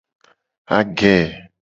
Age.